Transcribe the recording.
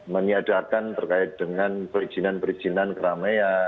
meniadakan terkait dengan perizinan perizinan keramaian